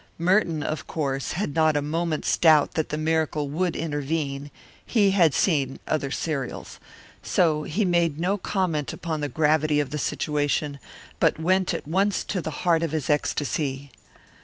Merton, of course, had not a moment's doubt that the miracle would intervene; he had seen other serials. So he made no comment upon the gravity of the situation, but went at once to the heart of his ecstasy.